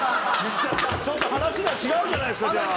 ちょっと話が違うじゃないですかじゃあ。